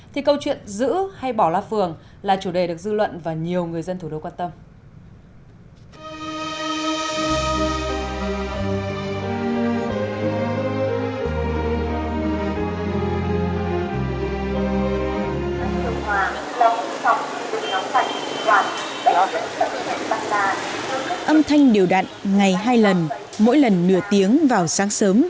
thì câu chuyện giữ hay bỏ loa phường là chủ đề được dư luận và nhiều người dân thủ đô quan tâm